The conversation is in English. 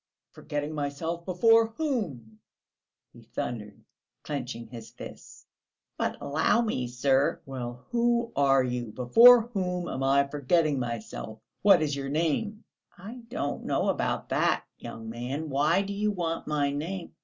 Forgetting myself before whom?" he thundered, clenching his fists. "But allow me, sir...." "Well, who are you, before whom I am forgetting myself? What is your name?" "I don't know about that, young man; why do you want my name?...